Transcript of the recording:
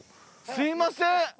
すいません！